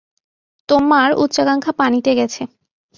তোমার উচ্চাকাঙ্খা পানিতে গেছে।